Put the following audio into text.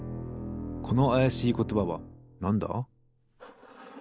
このあやしいことばはなんだ？